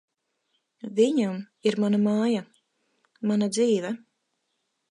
Viņam ir mana māja, mana dzīve.